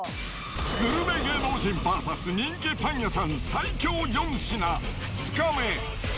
グルメ芸能人ＶＳ人気パン屋さん最強４品、２日目。